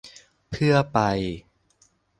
เพื่อไป